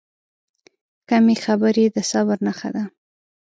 کمې خبرې، د صبر نښه ده.